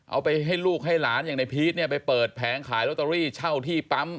เอาไปให้ลูกให้หลานอย่างในพีชเนี่ยไปเปิดแผงขายลอตเตอรี่เช่าที่ปั๊ม